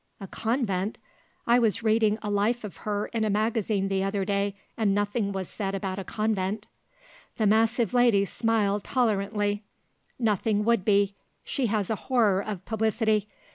"A convent? I was reading a life of her in a magazine the other day and nothing was said about a convent." The massive lady smiled tolerantly: "Nothing would be. She has a horror of publicity.